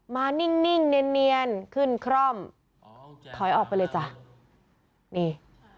นิ่งนิ่งเนียนขึ้นคร่อมถอยออกไปเลยจ้ะนี่